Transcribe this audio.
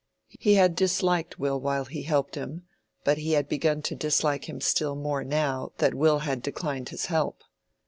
He had disliked Will while he helped him, but he had begun to dislike him still more now that Will had declined his help.